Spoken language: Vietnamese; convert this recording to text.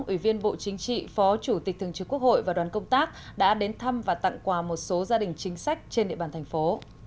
ủy viên bộ chính trị phó chủ tịch thường trực quốc hội và đoàn công tác đã đến thăm và tặng quà một số gia đình chính sách trên địa bàn thành phố